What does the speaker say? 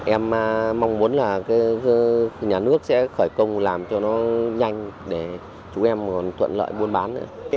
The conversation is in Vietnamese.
em mong muốn là nhà nước sẽ khởi công làm cho nó nhanh để chúng em còn tuận lợi buôn bán nữa